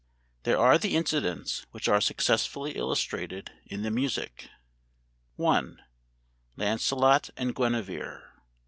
These are the incidents which are successively illustrated in the music: I. "LANCELOT AND GUINEVERE.